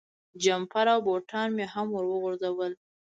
جمپر او بوټان مې هم ور وغورځول.